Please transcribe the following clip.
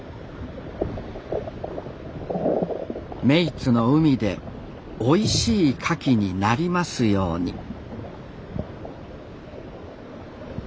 目井津の海でおいしいかきになりますように。